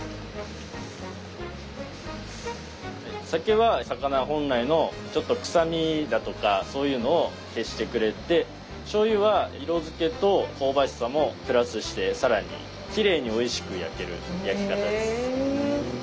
酒は魚本来のくさみだとかそういうのを消してくれてしょうゆは色づけと香ばしさもプラスして更にきれいにおいしく焼ける焼き方です。